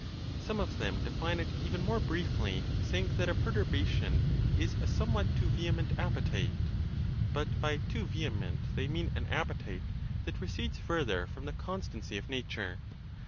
Some of them define it even more briefly, saying that a perturbation is a somewhat too vehement appetite; but by too vehement ON OTHER PERTURBATIONS OF THE MIND. 133 they mean an appetite that recedes further from the con stancy of nature.